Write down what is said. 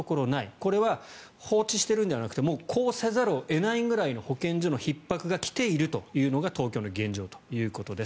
これは放置しているんじゃなくてもうこうせざるを得ないぐらいの保健所のひっ迫が来ているというのが東京の現状ということです。